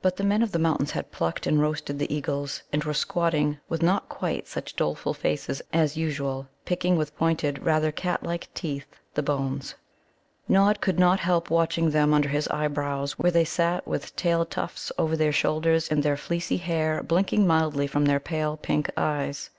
But the Men of the Mountains had plucked and roasted the eagles, and were squatting, with not quite such doleful faces as usual, picking with pointed, rather catlike teeth, the bones. Nod could not help watching them under his eyebrows, where they sat, with tail tufts over their shoulders, in their fleecy hair, blinking mildly from their pale pink eyes.